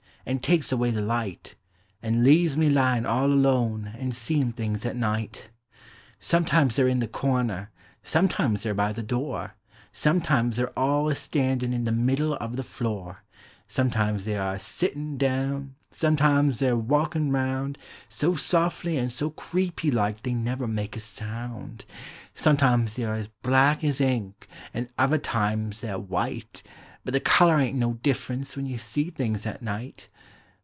and takes away (he light, An' leaves me lyiu' all alone an' seem' things at night! Sometimes they're in the corner, sometimes they 're by the door, Sometimes they 'ie all a standin' in the middle uv the floor; Sometimes they are a si It in' down, sometimes they 're walkin' round So softly an' so creepylike they never make a sound ! Digitized by Google FOR CHILDREN. 163 Sometimes they are as blaik as ink, an' other times thev 're white — Hut the color ain't no difference when you set* things at night!